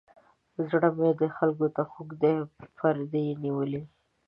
زړه مې خلکو ته خوږ دی پردي یې نیولي.